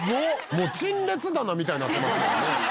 もう陳列棚みたいになってますもんね。